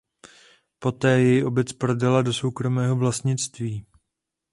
Poté jej obec prodala do soukromého vlastnictví.